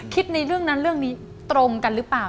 ในเรื่องนั้นเรื่องนี้ตรงกันหรือเปล่า